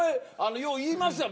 よう言いますやん